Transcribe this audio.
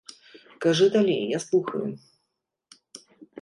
Кажы далей, я слухаю.